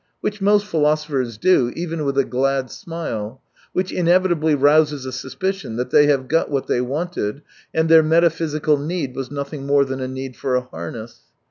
Which most philosophers do, eVen with a glad smile, which inevitably rouses a suspicion that they have got what they wanted, and their "metaphysical need" was nothing more than a need for a harness.